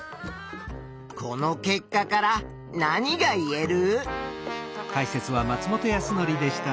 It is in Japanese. この結果から何がいえる？